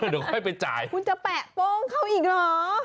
เดี๋ยวค่อยไปจ่ายคุณจะแปะโป้งเขาอีกเหรอ